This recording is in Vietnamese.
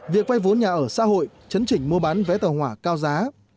việc vay vốn nhà ở xã hội chấn chỉnh mua bán vé tờ hỏa cao giá